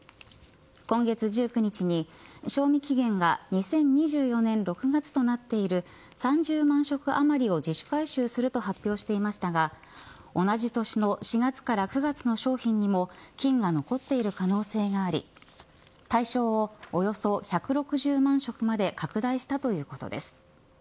今月１９日に賞味期限が２０２４年６月となっている３０万食余りを自主回収すると発表していましたが同じ年の４月から９月の商品にも菌が残っている可能性があり対象をおよそ１６０万食まで拡大したということです。